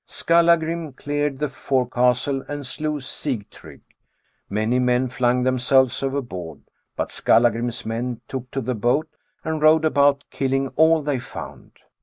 Skallagrim cleared the forecastle and slew Sigtrygg. Many men flung themselves overboard, but Skallagrim's men took to the boat and rowed about, killing all they found.